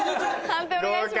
判定お願いします。